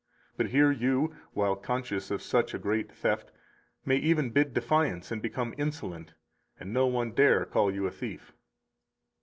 But here you [while conscious of such a great theft] may even bid defiance and become insolent, and no one dare call you a thief.